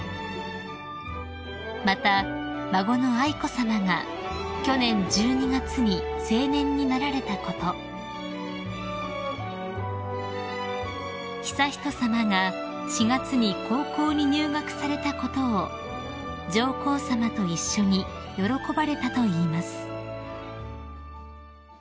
［また孫の愛子さまが去年１２月に成年になられたこと悠仁さまが４月に高校に入学されたことを上皇さまと一緒に喜ばれたといいます］